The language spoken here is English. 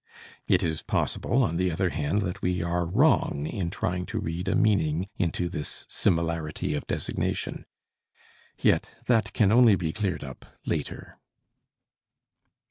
It is possible, on the other hand, that we are wrong in trying to read a meaning into this similarity of designation. Yet that can only be cleared up later.